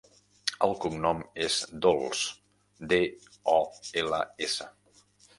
El cognom és Dols: de, o, ela, essa.